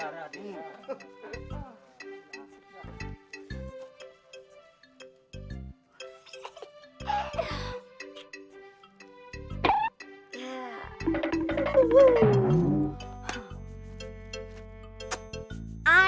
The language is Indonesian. i'm back baby